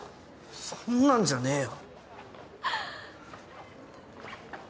そんなんじゃねえよ。